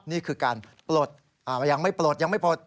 นี่คือการปลดยังไม่ปลดยังไม่ปลด